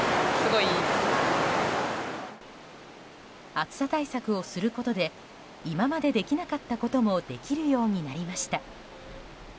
暑さ対策をすることで今までできなかったこともできるようになりました。